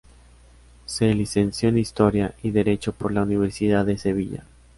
Se licenció en Historia y Derecho por la Universidad de Sevilla.